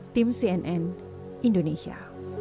tim cnn indonesia